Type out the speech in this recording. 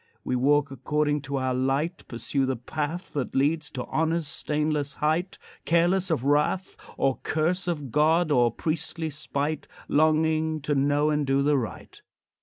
We walk according to our light, Pursue the path That leads to honor's stainless height, Careless of wrath Or curse of God, or priestly spite, Longing to know and do the right.